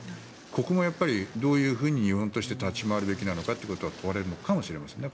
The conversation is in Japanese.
ここもどういうふうに日本として立ち回るべきかというところが問われるのかもしれませんね